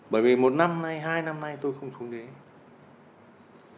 bởi vì một năm nay hai năm nay tôi không xuống dưới